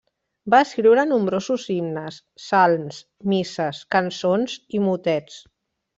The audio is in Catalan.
Va escriure nombrosos himnes, salms, misses, cançons i motets.